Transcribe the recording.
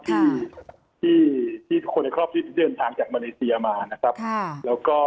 ที่คนในครอบที่ติดเชื้อทางจากมาเลเซียมานะครับ